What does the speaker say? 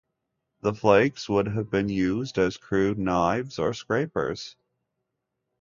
The flakes would have been used as crude knives or scrapers.